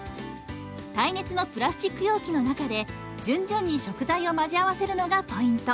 耐熱のプラスチック容器の中で順々に食材を混ぜ合わせるのがポイント。